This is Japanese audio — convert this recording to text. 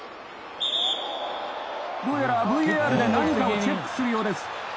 どうやらＶＡＲで何かをチェックするようです。